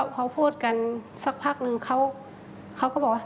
พอพูดกันสักพักนึงเขาก็บอกว่า